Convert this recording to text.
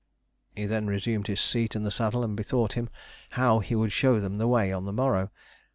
He then resumed his seat in the saddle, and bethought him how he would show them the way on the morrow.